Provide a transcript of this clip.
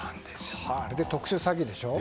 これは特殊詐欺でしょ。